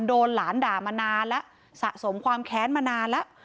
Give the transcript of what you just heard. โดนหลานด่ามานานแล้วสะสมความแค้นมานานแล้ว